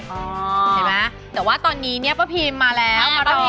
อ๋อเห็นไหมแต่ว่าตอนนี้เนี่ยป้าพรีมมาแล้ว